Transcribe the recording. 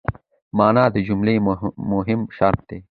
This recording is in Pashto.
مانا د جملې مهم شرط دئ.